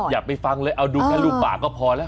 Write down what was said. อย่าไปฟังเลยเอาดูแค่ลูกปากก็พอแล้ว